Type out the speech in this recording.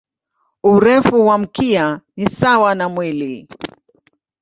Urefu wa mkia ni sawa na mwili.